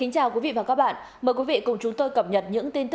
chào mừng quý vị đến với bộ phim hãy nhớ like share và đăng ký kênh của chúng mình nhé